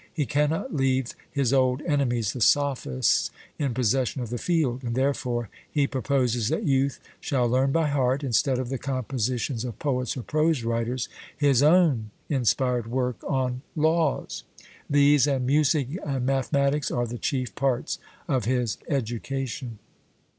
He cannot leave his old enemies, the Sophists, in possession of the field; and therefore he proposes that youth shall learn by heart, instead of the compositions of poets or prose writers, his own inspired work on laws. These, and music and mathematics, are the chief parts of his education.